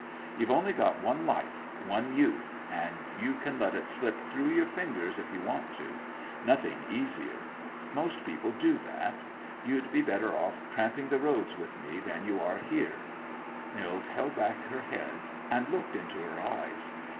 You've only got one life, one youth, and you can let it slip through your fingers if you want to; nothing easier. Most people do that. You'd be better off tramping the roads with me than you are here." Nils held back her head and looked into her eyes.